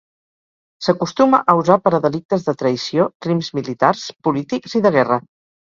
S'acostuma a usar per a delictes de traïció, crims militars, polítics i de guerra.